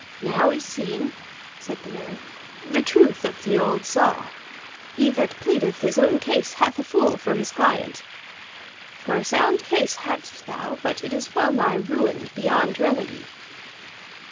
"Now is seen," said the man, "the truth of the old saw: 'He that pleadeth his own cause hath a fool for his client.' For a sound case hadst thou, but it is well nigh ruined beyond remedy."